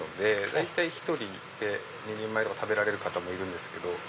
大体１人で２人前とか食べる方もいるんですけど。